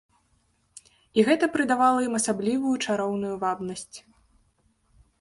І гэта прыдавала ім асаблівую чароўную вабнасць.